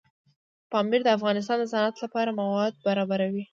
پامیر د افغانستان د صنعت لپاره مواد برابروي.